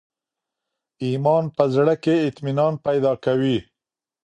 ایمان په زړه کي اطمینان پیدا کوي.